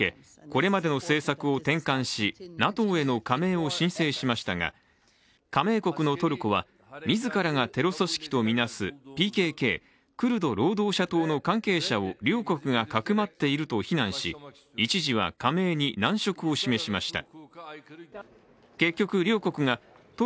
これまでの政策を転換しＮＡＴＯへの加盟を申請しましたが加盟国のトルコは、自らがテロ組織とみなすＰＫＫ＝クルド労働者党の関係者を両国がかくまっていると非難し一時は加盟に難色を示しました。